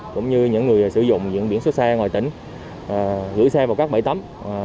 cũng như những người sử dụng những biển xuất xe ngoại tỉnh gửi xe vào các bãi tắm